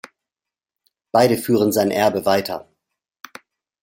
Beide führen sein Erbe weiter.